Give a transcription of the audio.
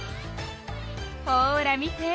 ほら見て。